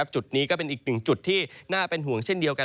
จุดนี้ก็เป็นอีกหนึ่งจุดที่น่าเป็นห่วงเช่นเดียวกัน